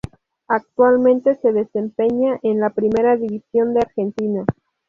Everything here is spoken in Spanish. Actualmente se desempeña en la Primera División de Argentina.